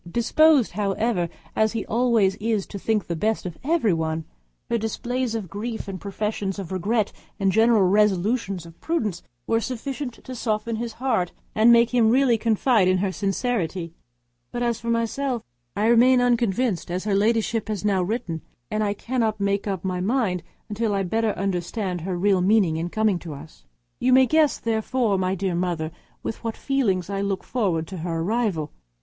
Disposed, however, as he always is to think the best of everyone, her display of grief, and professions of regret, and general resolutions of prudence, were sufficient to soften his heart and make him really confide in her sincerity; but, as for myself, I am still unconvinced, and plausibly as her ladyship has now written, I cannot make up my mind till I better understand her real meaning in coming to us. You may guess, therefore, my dear madam, with what feelings I look forward to her arrival.